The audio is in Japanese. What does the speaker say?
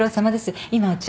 今お茶を。